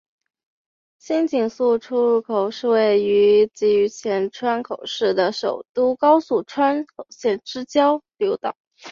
新井宿出入口是位于崎玉县川口市的首都高速川口线之交流道。